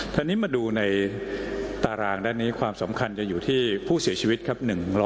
ทีนี้มาดูในตารางด้านนี้ความสำคัญจะอยู่ที่ผู้เสียชีวิตครับ